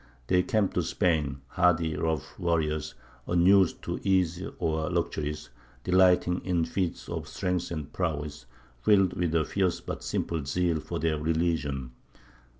They came to Spain hardy rough warriors, unused to ease or luxuries, delighting in feats of strength and prowess, filled with a fierce but simple zeal for their religion.